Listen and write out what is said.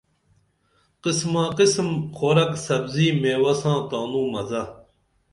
قسما قسم خوراک سبزی میوہ ساں تانوں مزہ